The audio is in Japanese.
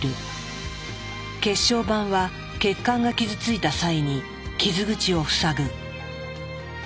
血小板は血管が傷ついた際に傷口を塞ぐ。